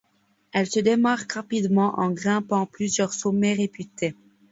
Elle se démarque rapidement en grimpant plusieurs sommets réputés.